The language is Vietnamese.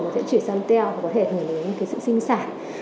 nó sẽ chuyển sang teo có thể hưởng đến sự sinh sản